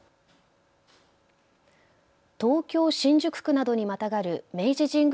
東京新宿区などにまたがる明治神宮